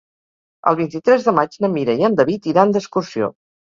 El vint-i-tres de maig na Mira i en David iran d'excursió.